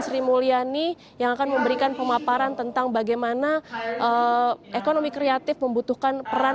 sri mulyani yang akan memberikan pemaparan tentang bagaimana ekonomi kreatif membutuhkan peran